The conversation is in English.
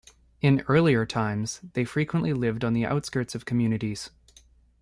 In earlier times, they frequently lived on the outskirts of communities.